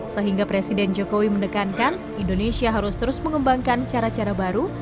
sehingga presiden jokowi mendekankan indonesia harus terus mengembangkan cara cara baru